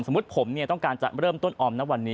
สมมุติผมต้องการจะเริ่มต้นออม